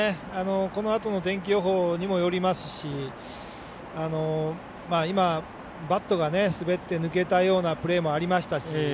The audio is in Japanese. このあとの天気予報にもよりますし今、バットが滑って抜けたようなプレーもありましたし。